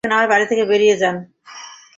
এখন আমার বাড়ি থেকে বেরিয়ে যান।